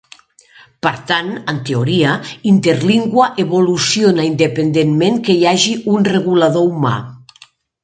Per tant, en teoria, Interlingua evoluciona independentment que hi hagi un regulador humà.